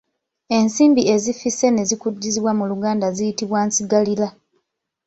Ensimbi ezifisse ne zikuddizibwa mu luganda baziyita Nsigalira.